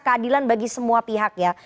keadilan bagi semua pihak ya